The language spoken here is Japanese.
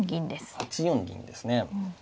８四銀ですね。